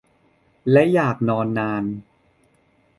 และอยากนอนนาน